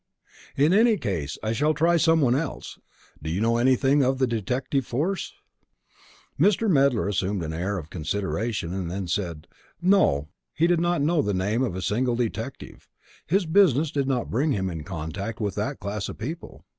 In any case, I shall try some one else. Do you know anything of the detective force?" Mr. Medler assumed an air of consideration, and then said, "No, he did not know the name of a single detective; his business did not bring him in contact with that class of people."